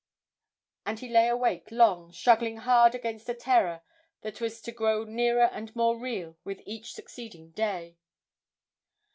And he lay awake long, struggling hard against a terror that was to grow nearer and more real with each succeeding day.